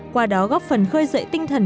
qua đó góp phần khơi dậy tinh thần